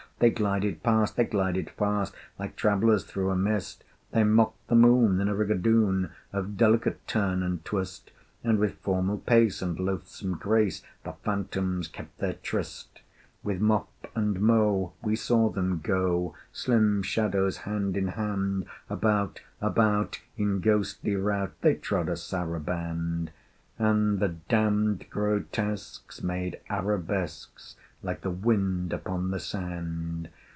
They glided past, they glided fast, Like travelers through a mist: They mocked the moon in a rigadoon Of delicate turn and twist, And with formal pace and loathsome grace The phantoms kept their tryst. With mop and mow, we saw them go, Slim shadows hand in hand: About, about, in ghostly rout They trod a saraband: And the damned grotesques made arabesques, Like the wind upon the sand!